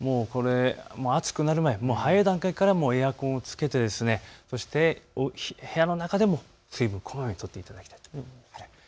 暑くなる前、早い段階からエアコンをつけて部屋の中でも水分こまめにとっていただきたいと思います。